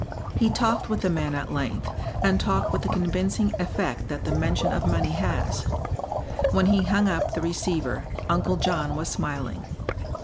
He talked with the man at length, and talked with the convincing effect that the mention of money has. When he hung up the receiver Uncle John was smiling.